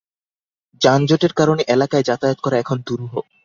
যানজটের কারণে এলাকায় যাতায়াত করা এখন দুরূহ।